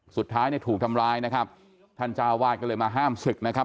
สุดท้ายเนี่ยถูกทำร้ายนะครับท่านเจ้าวาดก็เลยมาห้ามศึกนะครับ